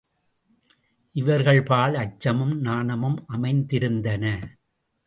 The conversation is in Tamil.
இவர்கள்பால் அச்சமும் நாணமும் அமைந்திருந்தன.